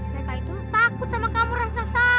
mereka itu takut sama kamu rasa